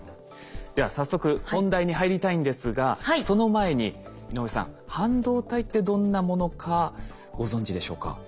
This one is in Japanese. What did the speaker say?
では早速本題に入りたいんですがその前に井上さん半導体ってどんなものかご存じでしょうか？